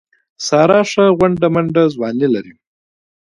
ساره ښه غونډه منډه ځواني لري.